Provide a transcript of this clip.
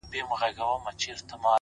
هره هڅه ځانګړی اثر لري!